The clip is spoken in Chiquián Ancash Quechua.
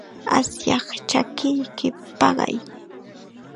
Asyaq chakiyki paqay.